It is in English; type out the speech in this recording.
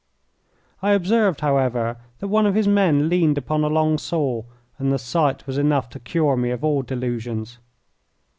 I observed, however, that one of his men leaned upon a long saw, and the sight was enough to cure me of all delusions.